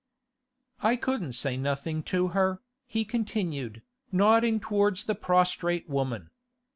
'I couldn't say nothing to her,' he continued, nodding towards the prostrate woman.